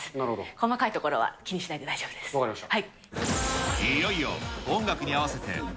細かいところは気にしないで大丈分かりました。